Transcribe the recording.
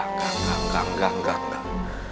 gak gak gak gak gak gak